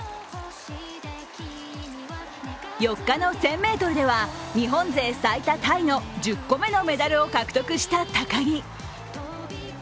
４日の１０００ｍでは日本勢最多タイの１０個目のメダルを獲得した高木。